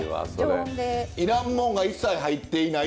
いらんもんが一切入っていない。